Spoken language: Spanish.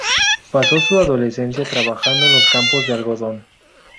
Pasó su adolescencia trabajando en los campos de algodón.